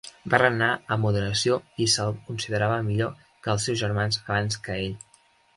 Va regnar amb moderació i se'l considerava millor que els seus germans abans que ell.